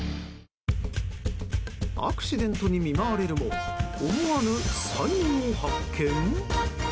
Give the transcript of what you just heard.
アクシデントに見舞われるも思わぬ才能を発見？